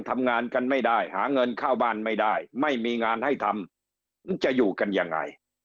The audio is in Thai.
ไม่มีงานให้ทำจะอยู่กันยังไง